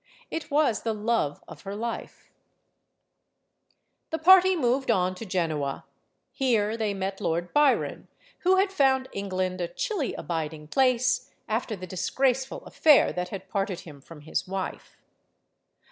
It was the love of her life The party moved on to Genoa. Here they met Lord Byron, who had found England a chilly abiding place, after the disgraceful affair that had parted him from his wife.